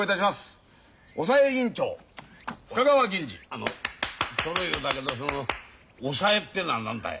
あのトロいようだけどその「おさえ」ってのは何だい？